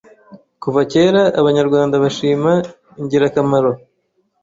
Kuva kera, Abanyarwanda bashima ingirakamaro